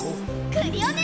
クリオネ！